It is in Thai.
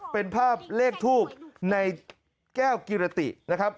เป็นภาพเลขทูบในแก้วกิรตินะครับ